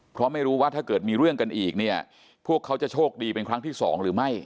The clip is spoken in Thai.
เพราะไม่รู้ว่าถ้าเกิดมีเรื่องกันอีกเนี่ยพวกเขาจะโชคดีเป็นครั้งที่สองหรือไม่